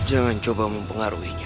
jangan coba mempengaruhinya